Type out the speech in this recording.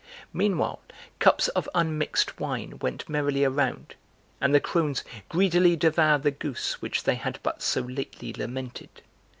Meanwhile, cups of unmixed wine went merrily around (and the crones greedily devoured the goose which they had but so lately lamented.